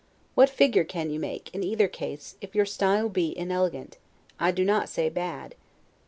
What figure can you make, in either case, if your style be inelegant, I do not say bad?